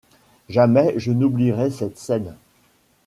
Jamais je n’oublierai cette scène!